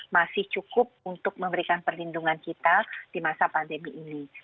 masih cukup untuk memberikan perlindungan kita di masa pandemi ini